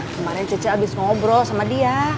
kemarin ceng abis ngobrol sama dia